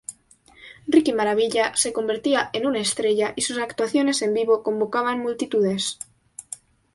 Ricky Maravilla se convertía en una estrella y sus actuaciones en vivo convocaban multitudes.